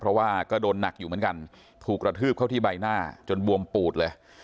เพราะว่าก็โดนหนักอยู่เหมือนกันถูกกระทืบเข้าที่ใบหน้าจนบวมปูดเลย